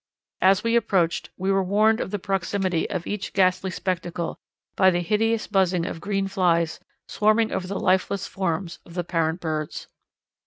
As we approached, we were warned of the proximity of each ghastly spectacle by the hideous buzzing of green flies swarming over the lifeless forms of the parent birds.